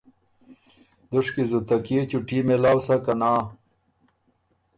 دُشکی زُته کيې چُوټي مېلاؤ سۀ که نا۔